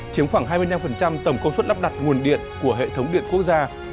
chiếm khoảng hai mươi năm tổng công suất lắp đặt nguồn điện của hệ thống điện quốc gia